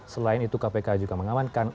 selain itu kpk juga mengamankan